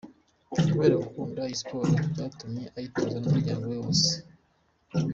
Kubera gukunda iyi siporo, byatumye ayitoza n’umuryango we wose.